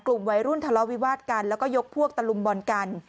กลุ่มวัยรุ่นทะเลาะวิวาดกันแล้วก็ยกพวกตะลุมบอลกัน